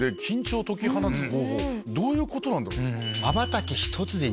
どういうことなんだろう？